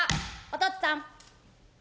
おとっつぁん！」。